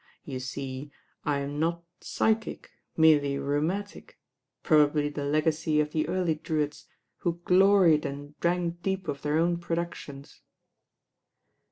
You see I am not psychic, merely rheumatic, probably the legacy of the early Drewitts, who glo ried and drank deep of their own productions."